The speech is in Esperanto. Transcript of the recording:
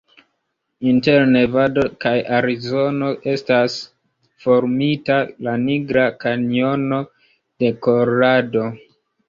Inter Nevado kaj Arizono estas formita la Nigra Kanjono de Kolorado.